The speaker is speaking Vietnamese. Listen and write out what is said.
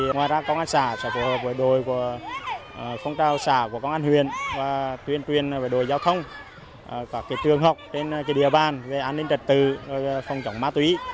ngoài ra công an xã sẽ phối hợp với đội phong trào xã của công an huyền và tuyên truyền đội giao thông các trường học trên địa bàn về an ninh trật tự phòng chống ma túy